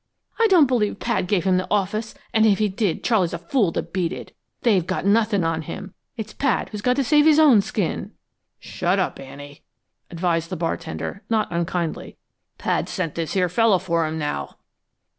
I don't believe Pad gave him the office, and if he did, Charley's a fool to beat it! They've got nothin' on him it's Pad who's got to save his own skin!" "Shut up, Annie!" advised the bartender, not unkindly. "Pad's sent this here feller for him, now!"